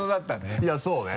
いやそうね。